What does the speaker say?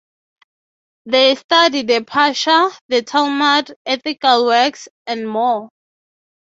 They study the Parsha, the Talmud, ethical works, and more.